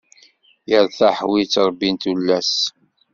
Iṛtaḥ wi ittṛebbin tullas.